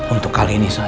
untuk kali ini saya